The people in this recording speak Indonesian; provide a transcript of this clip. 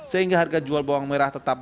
sehingga harga jual bawang merah tetap